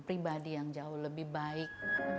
pribadi yang jauh lebih baik